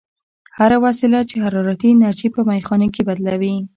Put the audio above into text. هره وسیله چې حرارتي انرژي په میخانیکي بدلوي.